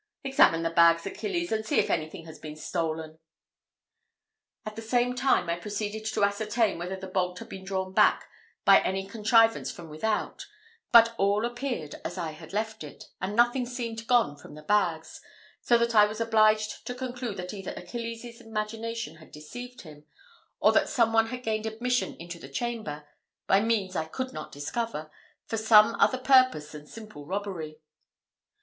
Examine the bags, Achilles, and see if anything has been stolen." At the same time, I proceeded to ascertain whether the bolt had been drawn back by any contrivance from without, but all appeared as I had left it, and nothing seemed gone from the bags, so that I was obliged to conclude that either Achilles' imagination had deceived him, or that some one had gained admission into the chamber (by means I could not discover) for some other purpose than simple robbery.